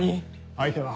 相手は？